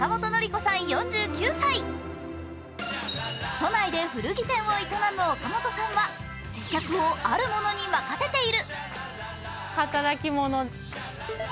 都内で古着店を営む岡本さんは接客をあるものに任せている。